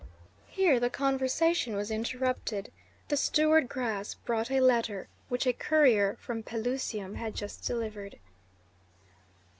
Here the conversation was interrupted; the steward Gras brought a letter which a courier from Pelusium had just delivered.